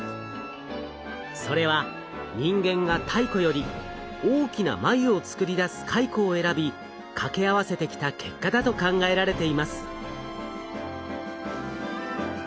それは人間が太古より大きな繭を作り出すカイコを選び掛け合わせてきた結果だと考えられています。